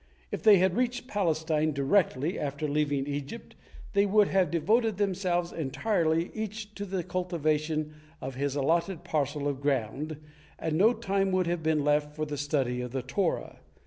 If they had reached Palestine directly after leaving Egypt, they would have devoted themselves entirely each to the cultivation of his allotted parcel of ground, and no time would have been left for the study of the Torah.